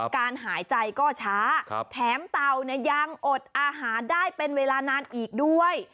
การหายใจก็ช้าแถมเต่าเนี่ยยังอดอาหารได้เป็นเวลานานอีกด้วย